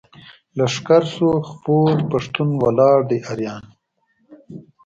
لښکر شو خپور پښتون ولاړ دی اریان.